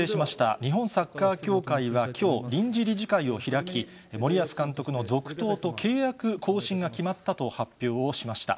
日本サッカー協会はきょう、臨時理事会を開き、森保監督の続投と契約更新が決まったと発表をしました。